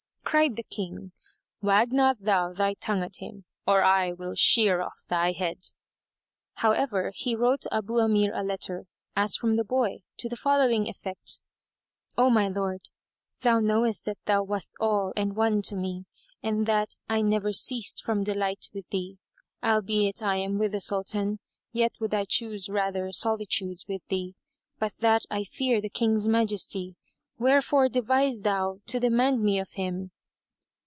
Cried the King, "Wag not thou thy tongue at him, or I will shear off thy head." However, he wrote Abu Amir a letter, as from the boy, to the following effect: "O my lord, thou knowest that thou wast all and one to me and that I never ceased from delight with thee. Albeit I am with the Sultan, yet would I choose rather solitude with thee, but that I fear the King's majesty: wherefore devise thou to demand me of him."